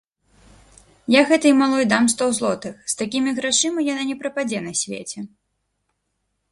Я гэтай малой дам сто злотых, з такімі грашыма яна не прападзе на свеце.